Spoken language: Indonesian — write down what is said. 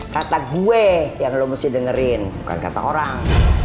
kata gue yang lo mesti dengerin bukan kata orang